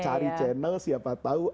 cari channel siapa tahu